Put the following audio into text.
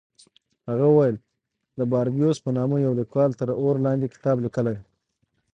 هغه وویل د باربیوس په نامه یوه لیکوال تر اور لاندې کتاب لیکلی.